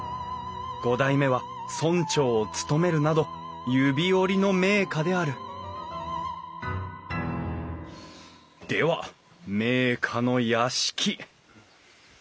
五代目は村長を務めるなど指折りの名家であるでは名家の屋敷。